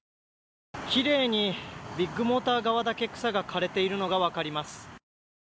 きれいに、ビッグモーター側だけ草が枯れているのが分かります。